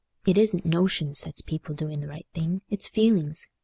It isn't notions sets people doing the right thing—it's feelings.